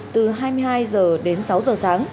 từ hai mươi hai h đến sáu h